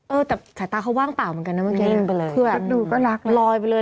เออแต่สายตาเขาว่างเปล่าเหมือนกันน่ะเมื่อกี้ดูก็รักลอยไปเลย